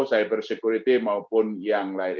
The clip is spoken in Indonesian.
cyber security maupun yang lain